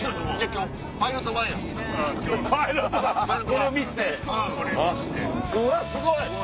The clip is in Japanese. うわすごい！